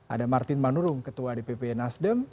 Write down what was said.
ada martin manurung ketua dpp nasdem